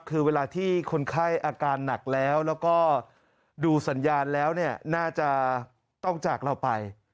คือเวลาที่คนไข้อาการหนักแล้วแล้วก็ดูสัญญาณแล้วเนี่ยน่าจะต้องจากเราไป